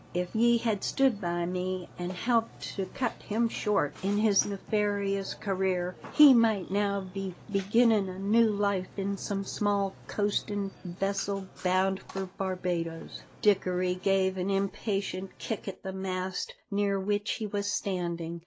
If ye had stood by me an' helped to cut him short in his nefarious career, he might now be beginnin' a new life in some small coastin' vessel bound for Barbadoes." Dickory gave an impatient kick at the mast near which he was standing.